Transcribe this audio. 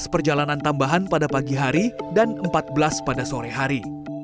dua belas perjalanan tambahan pada pagi hari dan empat belas pada sore hari